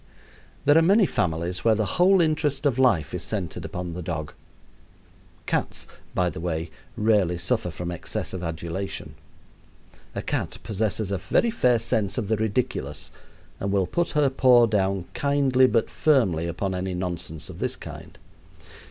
There are many families where the whole interest of life is centered upon the dog. Cats, by the way, rarely suffer from excess of adulation. A cat possesses a very fair sense of the ridiculous, and will put her paw down kindly but firmly upon any nonsense of this kind.